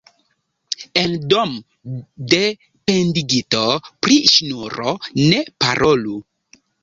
En dom' de pendigito pri ŝnuro ne parolu.